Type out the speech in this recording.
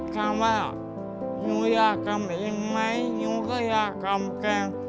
ถามว่าหนูอยากทำเองไหมหนูก็อยากกำแกง